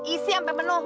isi sampe penuh